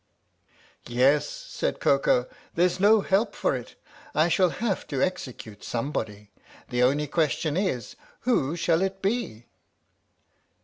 " Yes," said Koko, " there 's no help for it ; I shall have to execute somebody. The only question is, who shall it be?"